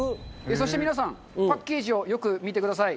そして皆さんパッケージをよく見てください。